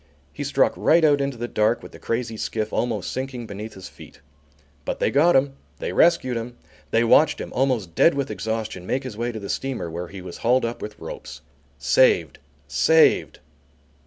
He struck right out into the dark with the crazy skiff almost sinking beneath his feet. But they got him. They rescued him. They watched him, almost dead with exhaustion, make his way to the steamer, where he was hauled up with ropes. Saved! Saved!!